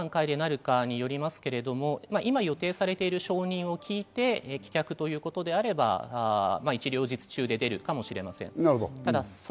どの段階でなるかによりますが、今、予定されている証人を聞いて、棄却ということであれば一両日中で出るかもしれません。